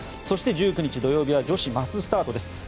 そして、１９日土曜日は女子マススタートです。